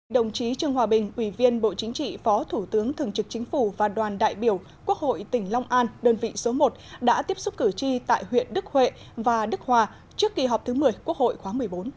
đồng chí trương hòa bình ủy viên bộ chính trị phó thủ tướng thường trực chính phủ và đoàn đại biểu quốc hội tỉnh long an đơn vị số một đã tiếp xúc cử tri tại huyện đức huệ và đức hòa trước kỳ họp thứ một mươi quốc hội khóa một mươi bốn